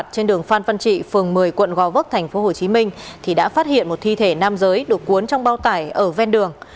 trên đường phan văn trị phường một mươi quận gò vấp tp hcm thì đã phát hiện một thi thể nam giới được cuốn trong bao tải ở ven đường